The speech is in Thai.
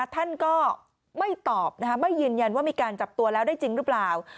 ท่านก็ไม่ตอบไม่ยืนยันว่ามีการจับตัวแล้วได้จริงหรือเปล่า